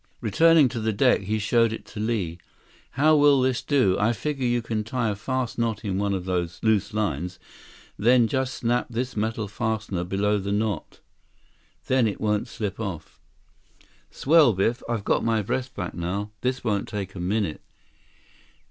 Returning to the deck, he showed it to Li. "How will this do? I figure you can tie a fast knot in one of those loose lines, then just snap this metal fastener below the knot. Then it won't slip off." "Swell, Biff. I've got my breath back now. This won't take a minute."